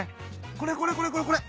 これこれこれこれこれ。